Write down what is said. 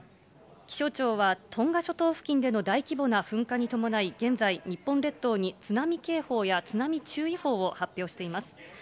気象庁は、トンガ諸島付近での大規模な噴火に伴い、現在、日本列島に津波警報や津波注意報を発表しています。